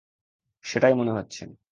সেটাই মনে হচ্ছে।